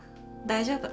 大丈夫。